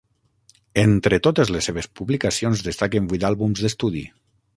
Entre totes les seves publicacions destaquen vuit àlbums d'estudi.